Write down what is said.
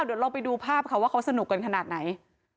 เดี๋ยวเราไปดูภาพค่ะว่าเขาสนุกกันขนาดไหน